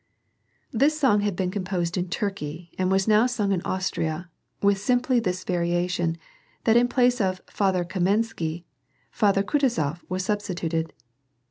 This song had been composed in Turkey, and was now sung in Austria, with simply this variation, that in place of " Father Kamensky," Father Kutuzof was substituted.